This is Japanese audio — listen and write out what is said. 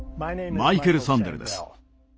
マイケル・サンデルです。